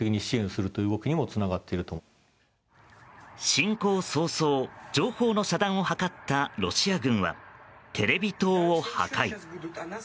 侵攻早々、情報の遮断を図ったロシア軍はテレビ塔を破壊。